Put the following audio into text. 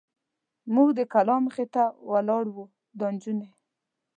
موږ د کلا مخې ته ولاړ و، دا نجونې.